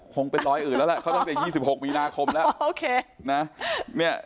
คงเป็นรอยอื่นแล้วแหละเขาต้องเป็นยี่สิบหกมีนาคมแล้วโอเคน่ะเนี้ย